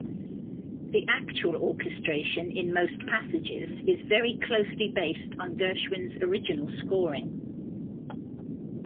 The actual orchestration in most passages is very closely based on Gershwin's original scoring.